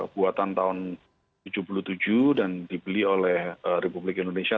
buatan tahun seribu sembilan ratus tujuh puluh tujuh dan dibeli oleh republik indonesia